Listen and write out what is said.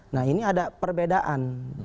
nah ini ada perbedaan